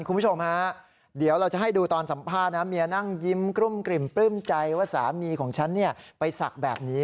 คุณผู้ชมฮะเดี๋ยวเราจะให้ดูตอนสัมภาษณ์นะเมียนั่งยิ้มกลุ้มกลิ่มปลื้มใจว่าสามีของฉันไปศักดิ์แบบนี้